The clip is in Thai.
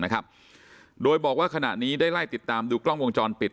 นะครับโดยบอกว่าขณะนี้ได้ไล่ติดตามดูกล้องวงจรปิด